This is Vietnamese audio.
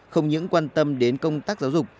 không những quan tâm đến công tác giáo dục